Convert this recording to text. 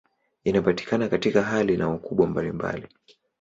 Inapatikana katika hali na ukubwa mbalimbali.